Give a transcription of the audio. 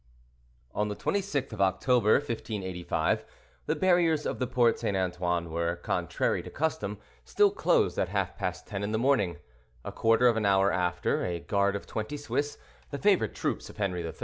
On the 26th of October, 1585, the barriers of the Porte St. Antoine were, contrary to custom, still closed at half past ten in the morning. A quarter of an hour after, a guard of twenty Swiss, the favorite troops of Henri III.